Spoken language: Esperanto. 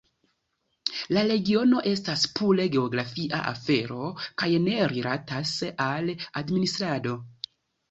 La regiono estas pure geografia afero kaj ne rilatas al administrado.